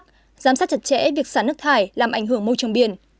giám sát chặt chẽ việc xả nước thải làm ảnh hưởng môi trường biển